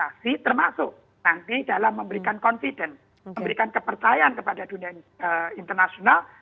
vaksinasi termasuk nanti dalam memberikan confident memberikan kepercayaan kepada dunia internasional